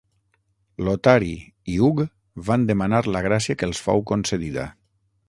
Lotari i Hug van demanar la gràcia que els fou concedida.